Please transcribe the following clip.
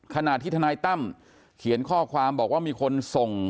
ขณะที่ทนายตั้มเขียนข้อความบอกว่ามีคนส่ง